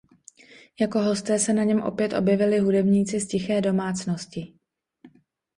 Jako hosté se na něm opět objevili hudebníci z "Tiché domácnosti".